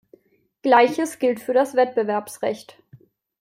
Gleiches gilt für das Wettbewerbsrecht.